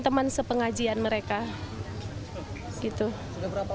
biasa digeladah biasa digeladah